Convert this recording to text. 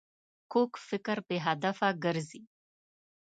کوږ فکر بې هدفه ګرځي